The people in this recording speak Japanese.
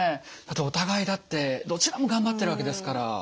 お互いだってどちらもがんばってるわけですから。